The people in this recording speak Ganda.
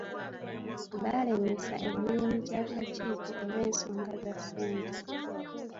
Baalemesa emirimu gy'akakiiko olw'ensonga za ssente.